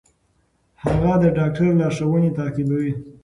هغه د ډاکټر لارښوونې تعقیبوي.